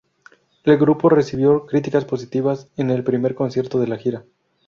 El grupo recibió críticas positivas en el primer concierto de la gira.